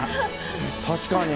確かに。